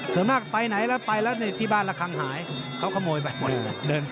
เสมอไปไหนแล้วไปแล้วที่บ้านระคังหายเขาขโมยไปหมด